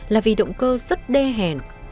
là vì động cơ rất đe hèn